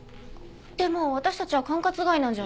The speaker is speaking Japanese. でも私たちは管轄外なんじゃ？